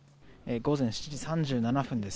午前７時３７分です。